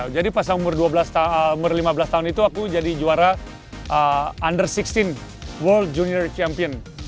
jadi pas umur lima belas tahun itu aku jadi juara under enam belas world junior champion